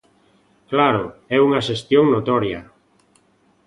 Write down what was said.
Claro, é unha xestión notoria.